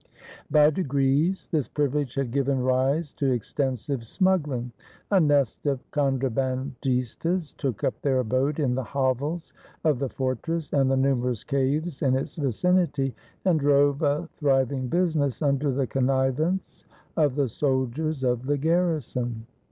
By degrees this privilege had given rise to extensive smug gling. A nest of contrahandistas took up their abode in the hovels of the fortress and the numerous caves in its vicinity, and drove a thriving business under the con nivance of the soldiers of the garrison.